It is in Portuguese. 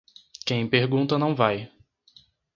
Quem pergunta não vai.